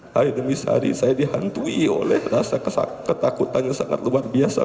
hari demi sehari saya dihantui oleh rasa ketakutan yang sangat luar biasa